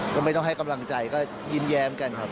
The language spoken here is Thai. ก็ไม่ต้องให้กำลังใจก็ยิ้มแย้มกันครับ